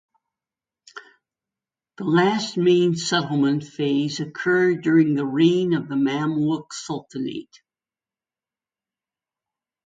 The last main settlement phase occurred during the reign of the Mamluk Sultanate.